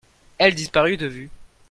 elle disparut de vue.